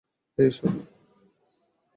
হে, ঈশ্বর।